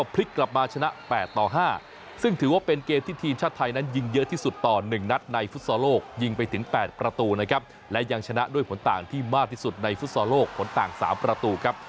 เป็นผลต่างที่มากที่สุดในฟุตซอลโลกผลต่าง๓ประตูครับ